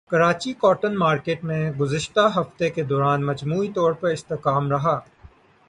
کراچیمقامی cotton market میں گزشتہ ہفتے کے دوران مجموعی طور پر استحکام رہا